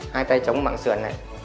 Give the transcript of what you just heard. hai tay chống mạng sườn này